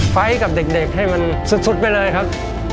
ไฟล์กับเด็กให้มันสุดไปเลยครับ